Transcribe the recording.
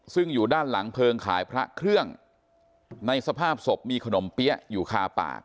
ซึ่งอยู่ด้านหลังเพลิงขายพระเครื่องในสภาพศพมีขนมเปี๊ยะอยู่คาปาก